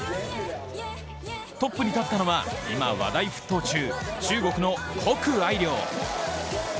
トップに立ったのは今、話題沸騰中、中国の谷愛凌。